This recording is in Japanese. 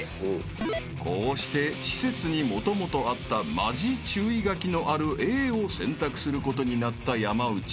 ［こうして施設にもともとあったマジ注意書きのあるＡを選択することになった山内］